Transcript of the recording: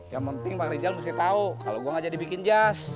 yang penting pak rizal mesti tahu kalau gue gak jadi bikin jas